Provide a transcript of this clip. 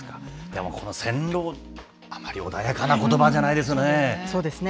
この戦狼、あまり穏やかなことばじゃないですよね。